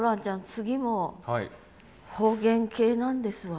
次も方言系なんですわ。